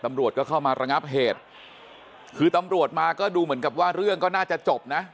ตำรวจก็เข้ามาระงับเหตุคือตำรวจมาก็ดูเหมือนกับว่าเรื่องก็น่าจะจบนะ